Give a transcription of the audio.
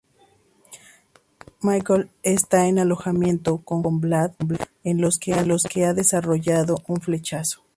Michael está en alojamiento conjunto con Vlad, en los que ha desarrollado un flechazo.